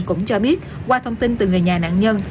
cũng cho biết qua thông tin từ người nhà nạn nhân